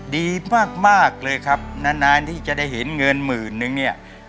ดีมากเลยครับนานที่จะได้เห็นเงินหมื่นนึงเนี่ย